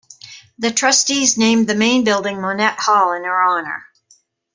The trustees named the main building Monnett Hall in her honor.